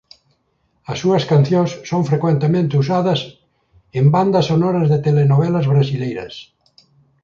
As súas cancións son frecuentemente usadas en bandas sonoras de telenovelas brasileiras.